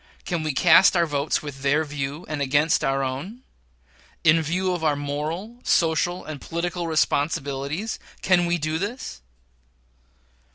Can we cast our votes with their view, and against our own? In view of our moral, social, and political responsibilities, can we do this?